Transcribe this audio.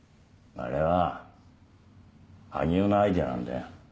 あれは萩尾のアイデアなんだよ。